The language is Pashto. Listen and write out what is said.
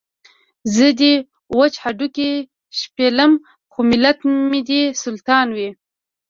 زه دې وچ هډوکي شپېلم خو ملت مې دې سلطان وي.